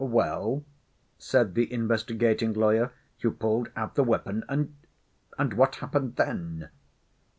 "Well?" said the investigating lawyer. "You pulled out the weapon and ... and what happened then?"